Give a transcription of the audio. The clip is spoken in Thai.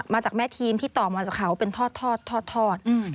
มาจากแม่ทีมที่ต่อมาจากเขาเป็นทอด